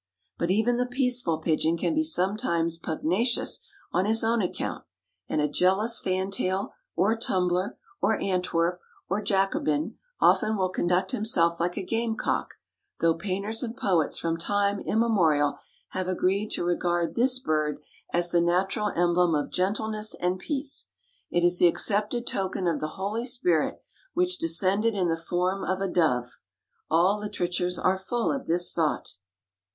But even the peaceful pigeon can be sometimes pugnacious on his own account, and a jealous fantail, or tumbler, or Antwerp, or Jacobin often will conduct himself like a game cock, though painters and poets from time immemorial have agreed to regard this bird as the natural emblem of gentleness and peace. It is the accepted token of the Holy Spirit, "which descended in the form of a dove." All literatures are full of this thought.